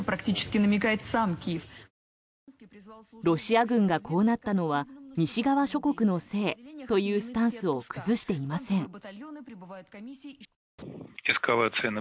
ロシア軍がこうなったのは西側諸国のせいというスタンスを崩していません。